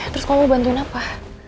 terus kamu bantuin apa